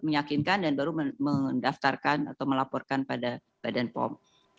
meyakinkan dan baru mendaftarkan atau melaporkan pada badan pom